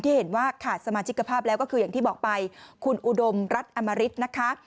เห็นว่าขาดสมาชิกภาพแล้วก็คืออย่างที่บอกไปคุณอุดมรัฐอมริตนะคะ